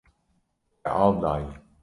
Te av daye.